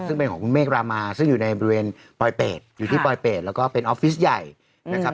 ซึ่งเป็นของคุณเมฆรามาซึ่งอยู่ในบริเวณปลอยเป็ดอยู่ที่ปลอยเป็ดแล้วก็เป็นออฟฟิศใหญ่นะครับ